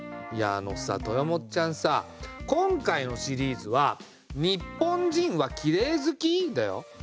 いやあのさとよもっちゃんさ今回のシリーズは「日本人はきれい好き？」だよ。